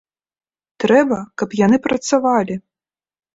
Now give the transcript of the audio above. Трэба, каб яны працавалі.